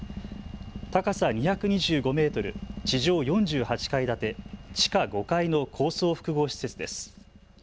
高さ２２５メートル、地上４８階建て、地下５階の高層複合施設です。